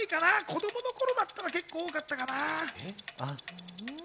子供の頃だったら結構多かったかな。